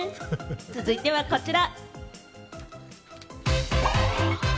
続いてはこちら。